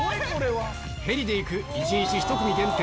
ヘリで行く１日１組限定